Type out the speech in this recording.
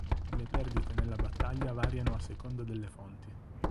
Le perdite nella battaglia variano a seconda delle fonti.